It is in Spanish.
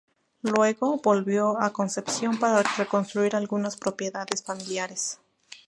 Luego, volvió a Concepción para reconstruir algunas propiedades familiares.